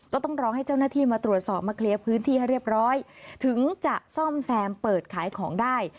ต้องรอให้เจ้าหน้าที่มาตรวจสอบมาเคลียร์พื้นที่ให้เรียบร้อยถึงจะซ่อมแซมเปิดขายของได้